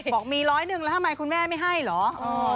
บอกมีร้อยหนึ่งแล้วทำไมคุณแม่ไม่ให้เหรอ